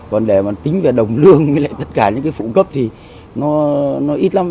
còn để mà tính về đồng lương với lại tất cả những cái phụ cấp thì nó ít lắm